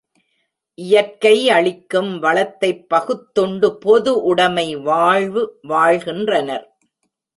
இயற்கை அளிக்கும் வளத்தைப் பகுத்துண்டு பொது உடமை வாழ்வு வாழ்கின்றனர்.